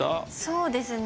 そうですね